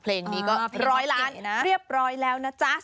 เพลงนี้ก็ร้อยล้านเรียบร้อยแล้วนะจ๊ะ